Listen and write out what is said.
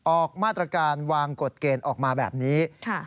ออกมาตรการวางกฎเกณฑ์ออกมาแบบนี้